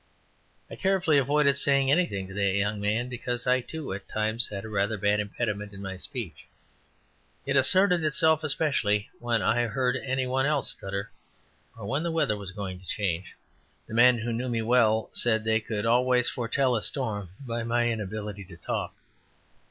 I carefully avoided saying anything to that young man, because, I, too, at times, had a rather bad impediment in my speech. It asserted itself especially when I heard any one else stutter, or when the weather was going to change; the men who knew me well said they could always foretell a storm by my inability to talk.